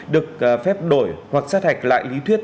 được phép đổi hoặc sát hạch lại lý thuyết